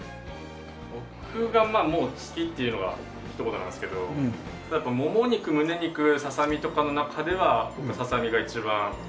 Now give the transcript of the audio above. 僕がまあ好きっていうのが一言なんですけどやっぱもも肉むね肉ささみとかの中ではささみが一番。